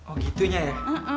oh gitunya ya